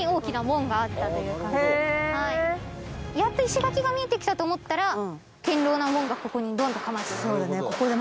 やっと石垣が見えてきたと思ったら堅牢な門がここにドンと構えている。